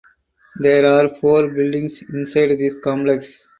There are four buildings inside this complex.